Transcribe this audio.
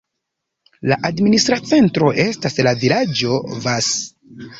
La administra centro estas la vilaĝo Vas.